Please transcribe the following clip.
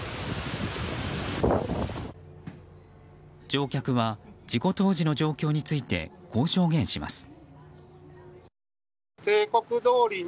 乗客は事故当時の状況についてこう証言します。